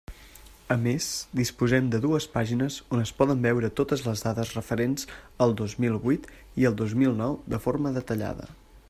A més, disposem de dues pàgines on es poden veure totes les dades referents al dos mil vuit i al dos mil nou de forma detallada.